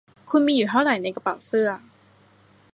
คุณมีอยู่เท่าไรในกระเป๋าเสื้อ